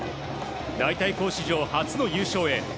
代替校史上初の優勝へ。